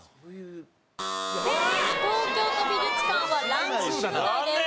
東京都美術館はランキング外です。